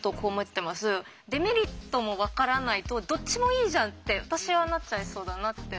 デメリットもわからないとどっちもいいじゃんって私はなっちゃいそうだなって。